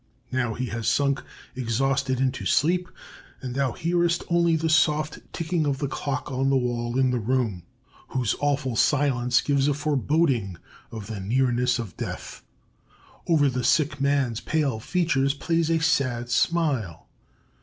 Now he has sunk exhausted into sleep, and thou hearest only the soft ticking of the clock on the wall in the room, whose awful silence gives a foreboding of the nearness of death. Over the sick man's pale features plays a sad smile.